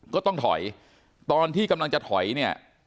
ก็ต้องถอยตอนที่กำลังจะถอยเนี่ย